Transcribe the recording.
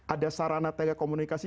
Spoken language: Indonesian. ada sarana telekomunikasi